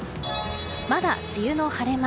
まだ梅雨の晴れ間。